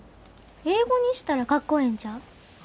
英語にしたらかっこええんちゃう？